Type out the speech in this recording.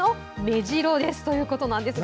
メジロですということです。